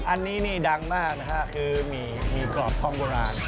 อันนี้นี่ดังมากนะฮะคือหมี่กรอบทองโบราณ